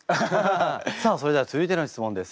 さあそれでは続いての質問です。